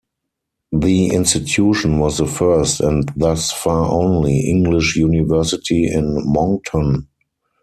The institution was the first, and thus far only, English university in Moncton.